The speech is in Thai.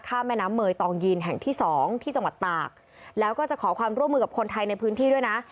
แม่น้ำเมยตองยีนแห่งที่สองที่จังหวัดตากแล้วก็จะขอความร่วมมือกับคนไทยในพื้นที่ด้วยนะ